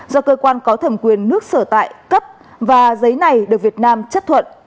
do cơ quan có thẩm quyền nước sở tại cấp và giấy này được việt nam chấp thuận